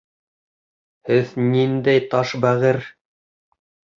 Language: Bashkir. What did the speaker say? Һеҙ ниндәй таш бәғер!